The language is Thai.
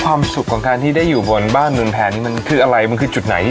ความสุขของการที่ได้อยู่บนบ้านหนุนแผนมันคืออะไรมันคือจุดไหน